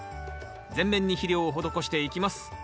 全面に肥料を施していきます。